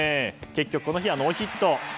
結局この日はノーヒット。